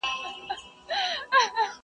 د ښکلي شمعي له انګار سره مي نه لګیږي!!